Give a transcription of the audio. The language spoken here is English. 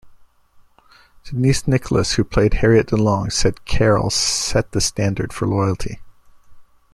Denise Nicholas who played Harriet Delong said Carroll set the standard for loyalty.